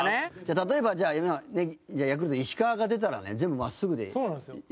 例えばヤクルト、石川が出たらね全部、真っすぐでいくの？